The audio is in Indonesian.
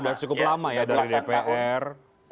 sudah cukup lama ya dari dpr